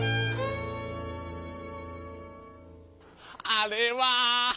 あれは。